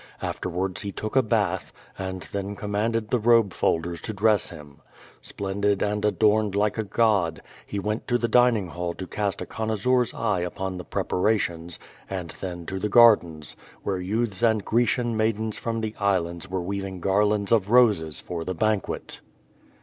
Afterwards he took a bath, and then commanded the robe folders to dress him. Splendid and adorned like a god, he went to the dining hall to cast a connoisseur's eye upon the preparations, and then to the gardens, where youths and Grecian maidens from the islands were weaving garlands of roses for the banquet.